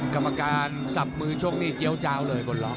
กรรมการสับมือชกนี่เจี๊ยวเจ้าเลยบนล็อก